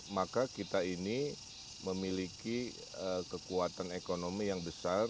maka kita ini memiliki kekuatan ekonomi yang besar